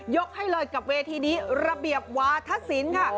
ยกให้เลยกับเวทีนี้ระเบียบวาทัศนค่ะ